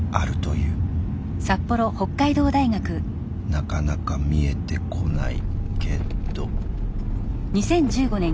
なかなか見えてこないけど。